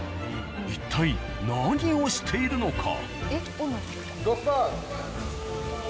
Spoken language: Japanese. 一体何をしているのか？